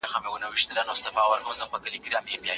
اقتصادي وده زياتره د سړي سر ګټې سره تړل سوي ده.